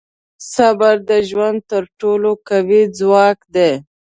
• صبر د ژوند تر ټولو قوي ځواک دی.